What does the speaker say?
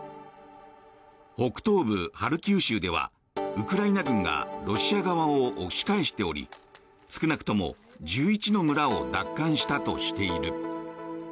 北東部ハルキウ州ではウクライナ軍がロシア側を押し返しており少なくとも１１の村を奪還したとしている。